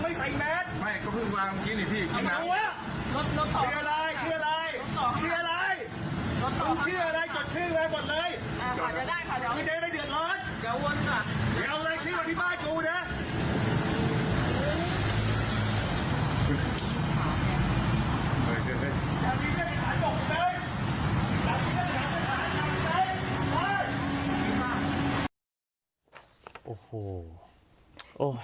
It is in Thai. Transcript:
นี่จะเอาไว้เดือกร้อนอย่าเอาอะไรที่บ้านกูเดอะ